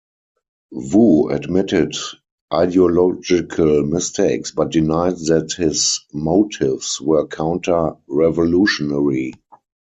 Wu admitted ideological mistakes but denied that his motives were counter-revolutionary.